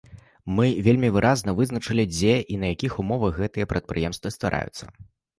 Мы вельмі выразна вызначылі, дзе і на якіх умовах гэтыя прадпрыемствы ствараюцца.